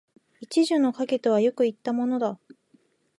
一樹の蔭とはよく云ったものだ